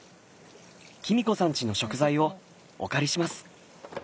キミ子さんちの食材をお借りします。